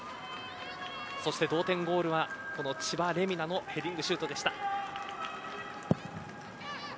そして、同点ゴールは千葉玲海菜のヘディングシュートでした。